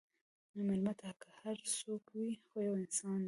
مېلمه ته که هر څوک وي، خو یو انسان دی.